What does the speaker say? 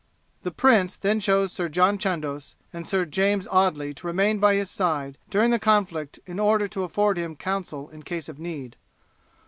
The prince then chose Sir John Chandos and Sir James Audley to remain by his side during the conflict in order to afford him counsel in case of need.